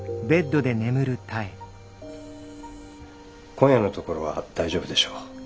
今夜のところは大丈夫でしょう。